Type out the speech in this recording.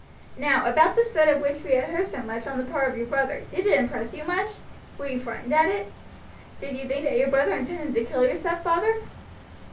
"Now about this threat of which we have heard so much on the part of your brother, did it impress you much? Were you frightened at it? Did you think that your brother intended to kill your stepfather?"